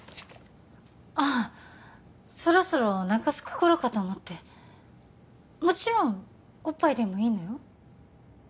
ああそろそろおなかすくころかと思ってもちろんおっぱいでもいいのよ？